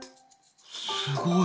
すごい。